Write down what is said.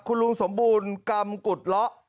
คุณลุงสมบูรณ์กำกุดละ